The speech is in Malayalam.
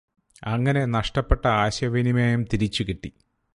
അങ്ങനെ നഷ്ട്ടപ്പെട്ട ആശയവിനിമയം തിരിച്ചു കിട്ടി